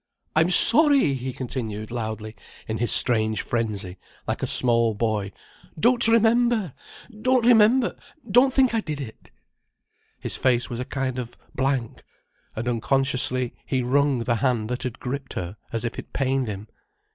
"I'm sorry!" he continued loudly, in his strange frenzy like a small boy. "Don't remember! Don't remember! Don't think I did it." His face was a kind of blank, and unconsciously he wrung the hand that had gripped her, as if it pained him.